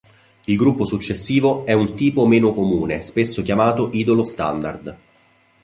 Il gruppo successivo è un tipo meno comune, spesso chiamato "idolo standard".